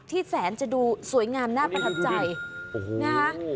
แสนจะดูสวยงามน่าประทับใจนะคะ